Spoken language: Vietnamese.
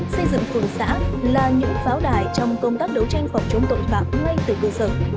xây dựng phường xã là những pháo đài trong công tác đấu tranh phòng chống tội phạm ngay từ cơ sở